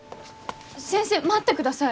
先生待ってください。